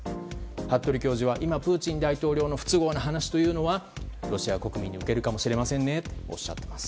服部教授は今プーチン大統領の不都合な話というのは今年は向けるかもしれないとおっしゃっています。